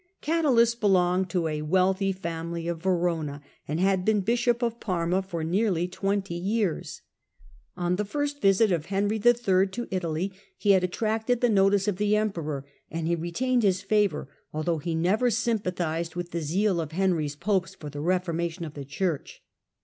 Oadalus belonged to a wealthy family of Verona, and had been bishop of Parma for nearly twenty years. Digitized by VjOOQIC Nicolas IL and Alexander IL 57 On the first visit of Henry III. to Italy he had at tracted the notice of the emperor, and he retained his favour although he never sympathised with the zeal of Henry's popes for the reformation of the Church.